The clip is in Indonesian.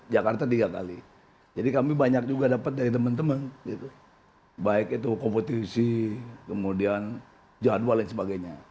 jakarta tiga kali jadi kami banyak juga dapat dari teman teman baik itu kompetisi kemudian jadwal dan sebagainya